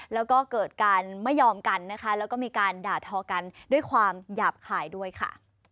แล้วก็เกิดการไม่ยอมกันนะคะแล้วก็มีการด่าทอกันด้วยความหยาบคายด้วยค่ะ